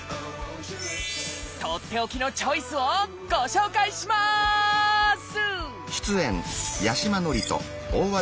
とっておきのチョイスをご紹介します！